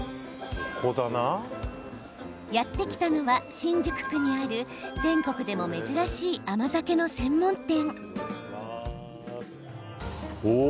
やって来たのは新宿区にある全国でも珍しい甘酒の専門店。